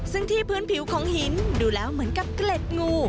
ซึ่งที่พื้นผิวของหินดูแล้วเหมือนกับเกล็ดงู